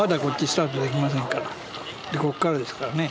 こっからですからね。